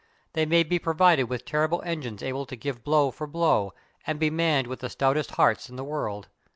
They may be provided with terrible engines able to give blow for blow, and be manned with the stoutest hearts in the world.